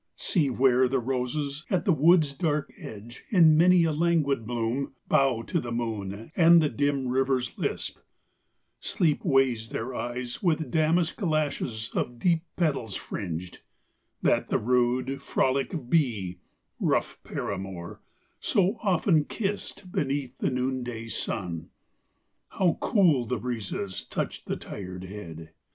See, where the roses, at the wood's dark edge, In many a languid bloom, bow to the moon And the dim river's lisp; sleep weighs their eyes With damask lashes of deep petals fringed, That the rude, frolic bee, rough paramour, So often kissed beneath the noonday sun. How cool the breezes touch the tired head!